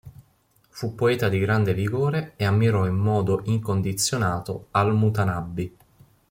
Fu poeta di grande vigore e ammirò in modo incondizionato al-Mutanabbi.